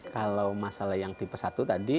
kalau masalah yang tipe satu tadi